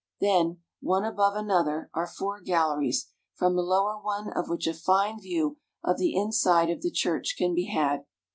Then, one above another, are four galleries, from the lower one of which a fine view of the inside of the church can be had.